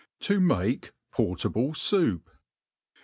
To make PortahU Souf.